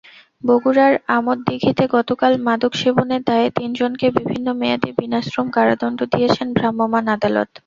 বগুড়ার আদমদীঘিতে গতকাল মাদকসেবনের দায়ে তিনজনকে বিভিন্ন মেয়াদে বিনাশ্রম কারাদণ্ড দিয়েছেন ভ্রাম্যমাণ আদালত।